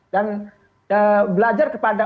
dan belajar kepada